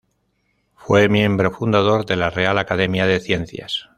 Fue miembro fundador de la Real Academia de Ciencias.